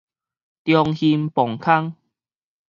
中興磅空